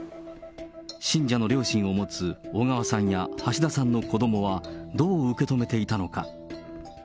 信者の両親を持つ小川さんや橋田さんの子どもは、どう受け止めていたのか。